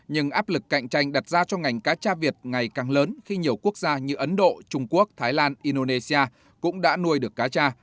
nhưng áp lực cạnh tranh đặt ra cho ngành cá cha việt ngày càng lớn khi nhiều quốc gia như ấn độ trung quốc thái lan indonesia cũng đã nuôi được cá cha